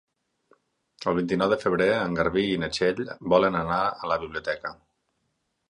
El vint-i-nou de febrer en Garbí i na Txell volen anar a la biblioteca.